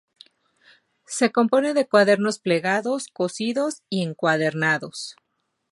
Se compone de cuadernos plegados, cosidos y encuadernados.